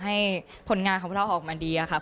ให้ผลงานของพวกเราออกมาดีครับ